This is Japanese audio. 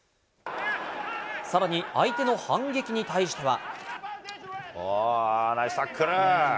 さらに相手の反撃に対しては。